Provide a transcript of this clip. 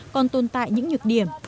còn tồn tại những nhược điểm